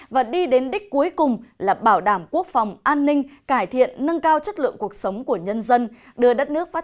và đi đến đích cuối cùng là bảo đảm quốc phòng an ninh cải thiện nâng cao chất lượng cuộc sống của nhân dân